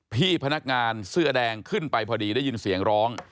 พี่พนักงานเสื้อแดงขึ้นไปพอดีได้ยินเสียงร้อง